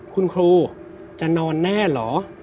คุณครูจะนอนแน่เหรอ